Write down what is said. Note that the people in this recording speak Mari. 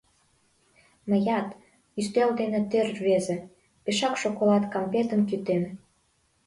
Мыят — ӱстел дене тӧр рвезе — пешак шоколад кампетым кӱтем.